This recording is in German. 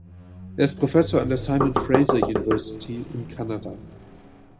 Er ist Professor an der Simon Fraser University in Kanada.